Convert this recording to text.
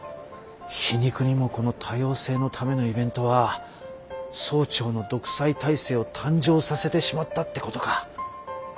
皮肉にもこの多様性のためのイベントは総長の独裁体制を誕生させてしまったってことか。